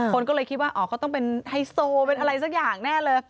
คนก็เลยคิดว่าอ๋อเขาต้องเป็นไฮโซเป็นอะไรสักอย่างแน่เลย